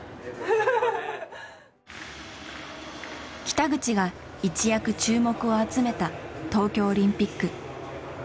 北口が一躍注目を集めた東京オリンピック。